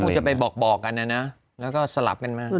จะไปบอกกันนะนะแล้วก็สลับกันมา